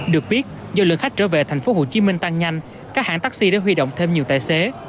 được biết do lượng khách trở về tp hcm tăng nhanh các hãng taxi đã huy động thêm nhiều tài xế